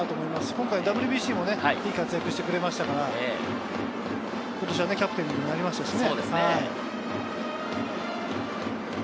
今回のＷＢＣもいい活躍をしてくれましたから今年はキャプテンにもなりましたしね。